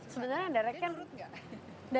sebenarnya direct ken enak